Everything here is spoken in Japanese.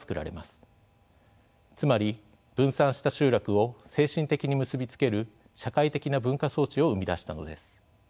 つまり分散した集落を精神的に結び付ける社会的な文化装置を生み出したのです。